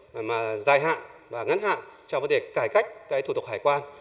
mà dài hạn và ngắn hạn cho vấn đề cải cách cái thủ tục hải quan